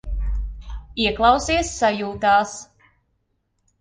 Ieklausies sajūtās.